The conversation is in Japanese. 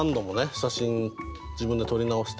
写真自分で撮り直して。